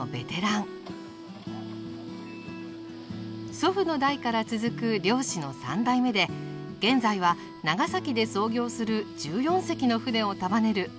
祖父の代から続く漁師の３代目で現在は長崎で操業する１４隻の船を束ねる船団長です。